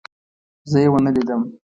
زه يې ونه لیدم.